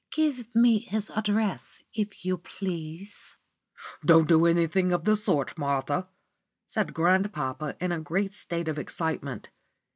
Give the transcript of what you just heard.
Give me his address, if you please." "Don't do anything of the sort, Martha," said grandpapa, in a great state of excitement.